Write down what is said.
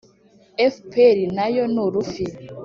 Fpr Nayo nurufi